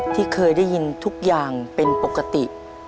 ที่เคยได้ยินทุกอย่างเป็นปกติ